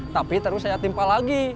tapi terus saya timpa lagi